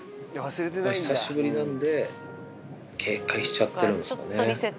ただ、久しぶりなんで警戒しちゃってるのかもね。